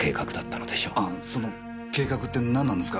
その計画って何なんですか？